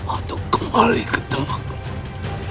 atau kembali ke tempatku